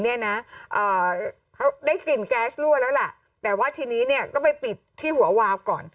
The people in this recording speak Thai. เนี่ยนะเขาได้กลิ่นแก๊สรั่วแล้วล่ะแต่ว่าทีนี้เนี่ยก็ไปปิดที่หัววาวก่อน